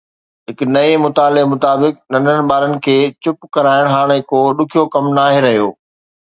هڪ نئين مطالعي مطابق، ننڍڙن ٻارن کي چپ ڪرائڻ هاڻي ڪو ڏکيو ڪم ناهي رهيو